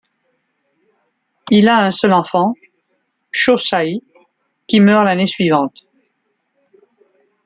Il a un seul enfant, Shō Sei, qui meurt l'année suivante.